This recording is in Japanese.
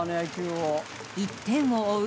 １点を追う